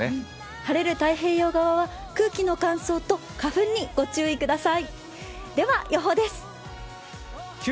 晴れる太平洋側は空気の乾燥と花粉にご注意ください。